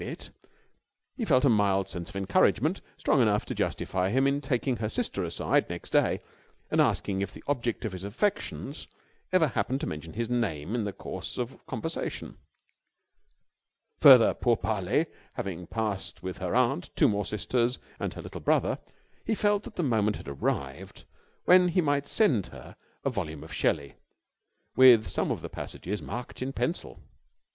bit, he felt a mild sense of encouragement, strong enough to justify him in taking her sister aside next day and asking if the object of his affections ever happened to mention his name in the course of conversation. Further pour parlers having passed with her aunt, two more sisters, and her little brother, he felt that the moment had arrived when he might send her a volume of Shelley, with some of the passages marked in pencil.